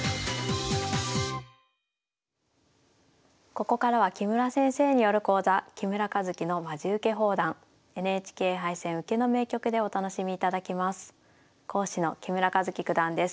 ここからは木村先生による講座「木村一基のまじウケ放談ＮＨＫ杯戦・受けの名局」でお楽しみいただきます。